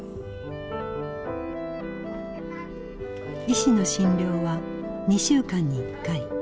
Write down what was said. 医師の診療は２週間に１回。